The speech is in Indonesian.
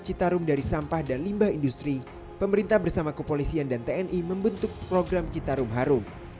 citarum dari sampah dan limbah industri pemerintah bersama kepolisian dan tni membentuk program citarum harum